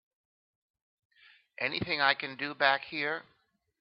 Anything I can do back here?